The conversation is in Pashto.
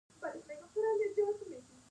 يو څټ او دوه څټونه